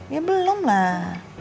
ya belum lah